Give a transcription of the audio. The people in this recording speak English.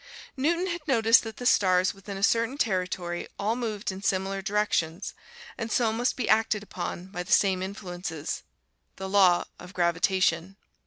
Newton had noticed that the stars within a certain territory all moved in similar directions, and so must be acted upon by the same influences. The Law of Gravitation!